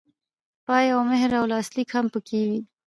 پای او مهر او لاسلیک هم پکې وي.